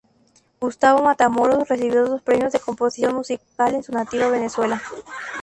Gustavo Matamoros recibió dos premios de composición musical en su nativa Venezuela.